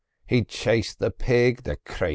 He'd chase the pig—the crathur!